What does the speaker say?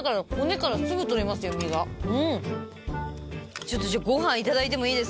ちょっとじゃあご飯いただいてもいいですか？